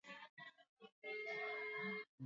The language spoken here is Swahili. Amenunua Kidagaa.